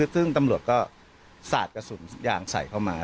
ซึ่งตำรวจก็สาดกระสุนยางใส่เข้ามา